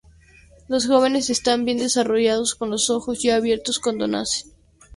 Los jóvenes están bien desarrollados con los ojos ya abiertos cuando nacen.